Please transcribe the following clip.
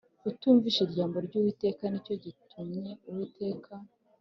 utumviye ijambo ry Uwiteka Ni cyo gitumye Uwiteka